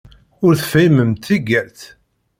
Ur tefhimemt tigert!